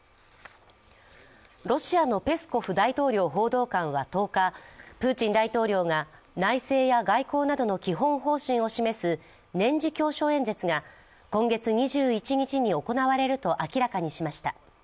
ロシアのペスコフ大統領報道官は今月１０日プーチン大統領が内政や外交などの基本方針を示す、年次教書演説が今月２１日に行われると明らかにしました。